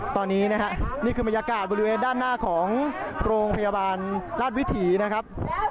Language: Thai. ตอนนี้นะครับนี่คือบรรยากาศบริเวณด้านหน้าของโรงพยาบาลราชวิถีนะครับ